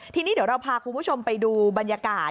ทีนี้เดี๋ยวเราพาคุณผู้ชมไปดูบรรยากาศ